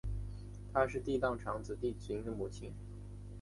她是帝喾长子帝挚的母亲。